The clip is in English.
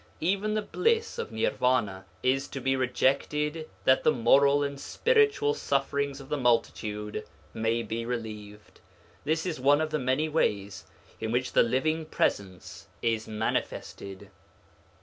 Even the bliss of Nirvana is to be rejected that the moral and physical sufferings of the multitude may be relieved. This is one of the many ways in which the Living Presence is manifested.